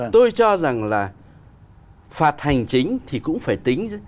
tôi cho rằng là phạt hành chính thì cũng phải tính